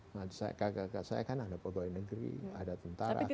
nah kakak kakak saya kan ada pegawai negeri ada tentara